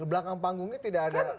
belakang panggungnya tidak ada